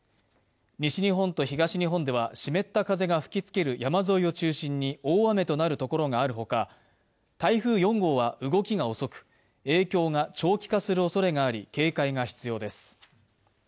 西日本と東日本では湿った風が吹きつける山沿いを中心に大雨となるところがあるほか、台風４号は動きが遅く、影響が長期化するおそれがあり、警戒が必要です。